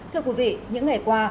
thưa quý vị những ngày qua